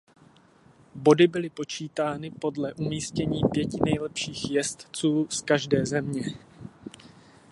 Body byly počítány podle umístění pěti nejlepších jezdců z každé země.